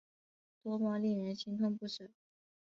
多么令人心痛不舍